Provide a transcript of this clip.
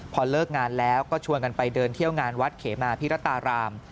พอเลิกงานแล้วก็ชวนกันไปเดินเที่ยวงานวัดเขมาพิรัตราราม